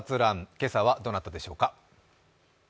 今朝は、どなたでしょうか。